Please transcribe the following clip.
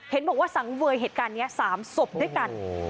เห็นบอกว่าสังเวยเหตุการณ์นี้๓ศพด้วยกัน